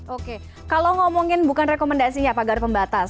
oke kalau ngomongin bukan rekomendasinya pagar pembatas